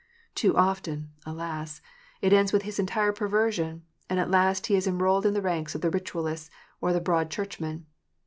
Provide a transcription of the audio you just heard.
Too often, alas ! it ends with his entire perversion, and at last he is enrolled in the ranks of the Ritualists or the Broad Church men